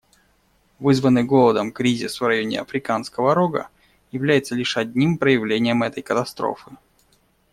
Вызванный голодом кризис в районе Африканского Рога является лишь одним проявлением этой катастрофы.